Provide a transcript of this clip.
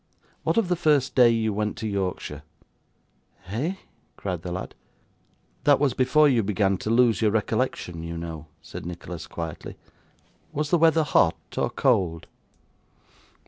'What of the first day you went to Yorkshire?' 'Eh!' cried the lad. 'That was before you began to lose your recollection, you know,' said Nicholas quietly. 'Was the weather hot or cold?